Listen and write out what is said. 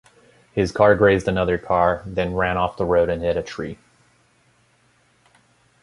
His car grazed another car then ran off the road and hit a tree.